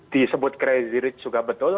disebut crazy rich juga betul